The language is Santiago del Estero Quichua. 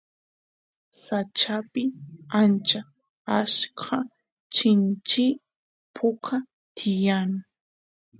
sachapi ancha achka chinchi puka tiyan